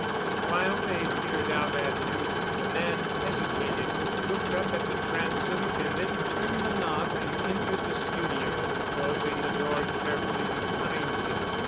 And while they peered out at him, the man hesitated, looked up at the transom and then turned the knob and entered the studio, closing the door carefully behind him.